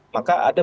maka ada bantuan